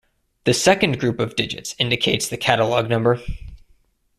The second group of digits indicates the catalogue number.